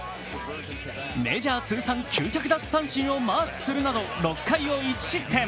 メジャー通算９００奪三振をマークするなど６回を１失点。